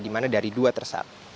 dimana dari dua tersangka